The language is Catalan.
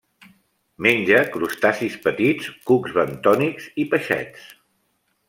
Menja crustacis petits, cucs bentònics i peixets.